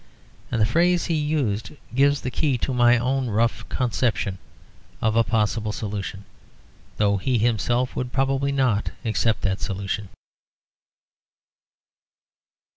And the phrase he used gives the key to my own rough conception of a possible solution, though he himself would probably, not accept that solution.